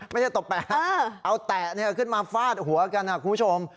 ไม่ใช่ตบแตะเอาแตะเนี่ยขึ้นมาฟาดหัวกันคุณผู้ชม